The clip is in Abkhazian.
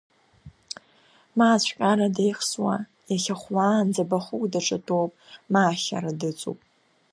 Ма ацәҟьара деихсуа, иахьа хәлаанӡа бахәык даҿатәоуп, ма ахьара дыҵоуп.